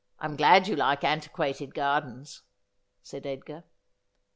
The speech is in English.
I'm glad you like antiquated gardens,' said Edgar.